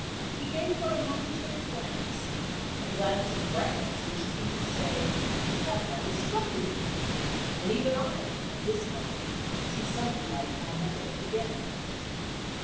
He gave her a momentary glance a glance of brightness which seemed to say, 'That man is struck with you' and even I, at this moment, see something like Anne Elliot again."